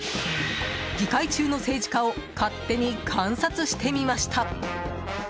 議会中の政治家を勝手に観察してみました。